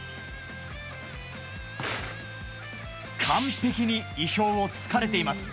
完璧に意表を突かれています。